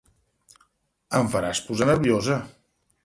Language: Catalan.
—Em faràs posar nerviosa!